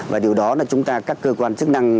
và điều đó là chúng ta các cơ quan chức năng